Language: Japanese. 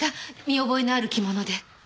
見覚えのある着物で。